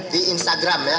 di instagram ya